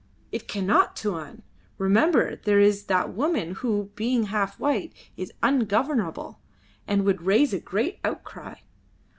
"It cannot, Tuan! Remember there is that woman who, being half white, is ungovernable, and would raise a great outcry.